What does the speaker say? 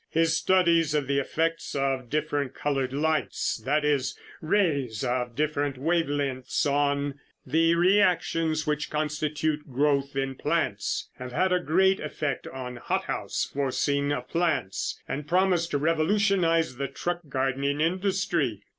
His studies of the effects of different colored lights, that is, rays of different wave lengths, on the reactions which constitute growth in plants have had a great effect on hothouse forcing of plants and promise to revolutionize the truck gardening industry.